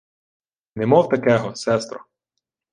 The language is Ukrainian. — Не мов такего, сестро.